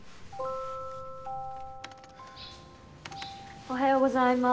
おはようございます。